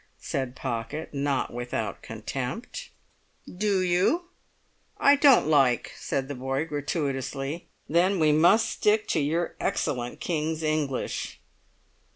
said Pocket, not without contempt. "Do you?" "I don't like," said the boy gratuitously. "Then we must stick to your excellent King's English."